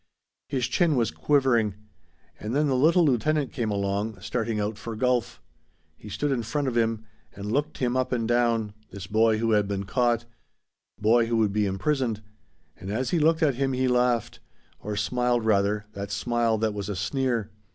His chin was quivering. And then the little lieutenant came along, starting out for golf. He stood in front of him and looked him up and down this boy who had been caught. Boy who would be imprisoned. And as he looked at him he laughed; or smiled rather, that smile that was a sneer.